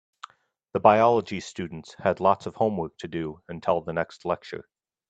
The biology students had lots of homework to do until the next lecture.